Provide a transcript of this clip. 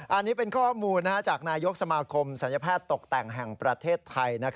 อันนี้เป็นข้อมูลจากนายกสมาคมศัลยแพทย์ตกแต่งแห่งประเทศไทย